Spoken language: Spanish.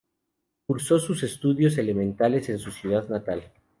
Cursó sus estudios elementales en su ciudad natal.